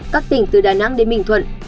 các tỉnh từ đà nẵng đến bình thuận